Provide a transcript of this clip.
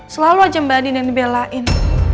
selalu aja mbak andien yang dibelain